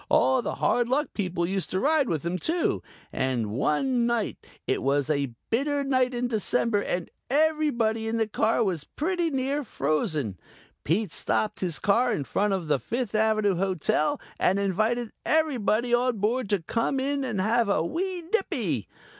All the hard luck people used to ride with him, too, and one night it was a bitter night in December and everybody in the car was pretty near frozen Pete stopped his car in front of the Fifth Avenue Hotel and invited everybody on board to come in and have a wee nippy.